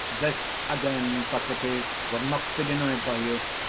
This again, Socrates, will not be denied by you.